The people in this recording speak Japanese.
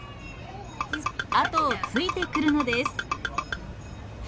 後をついてくるのです。